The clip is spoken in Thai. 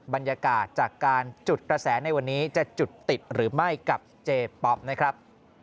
บรรยากาศจากการจุดกระแสในวันนี้จะจุดติดหรือไม่กับเจป๊อปนะครับ